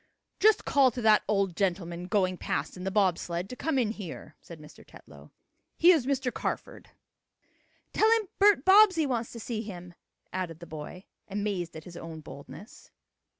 "Just call to that old gentleman going past in the bob sled to come in here," said Mr. Tetlow. "He is Mr. Carford." "Tell him Bert Bobbsey wants to see him," added the boy, amazed at his own boldness.